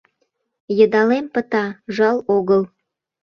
Йыдалем пыта, жал огыл